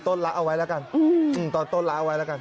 ต้นละเอาไว้ละกัน